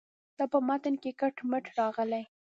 دا په متن کې کټ مټ راغلې.